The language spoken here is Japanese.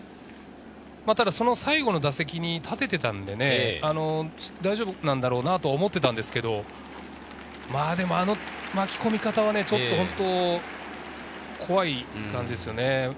ただ最後の打席に立てていたので、大丈夫だと思っていたんですけれど、あの巻き込み方はちょっと本当に怖い感じです。